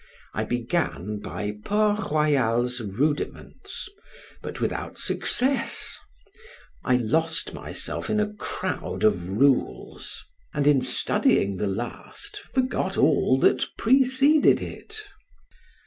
I began by Port Royal's Rudiments, but without success; I lost myself in a crowd of rules; and in studying the last forgot all that preceded it.